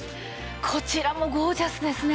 こちらもゴージャスですね。